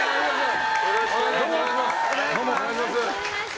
よろしくお願いします。